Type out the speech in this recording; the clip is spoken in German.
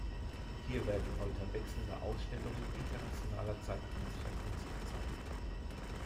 Hier werden heute wechselnde Ausstellungen internationaler zeitgenössischer Kunst gezeigt.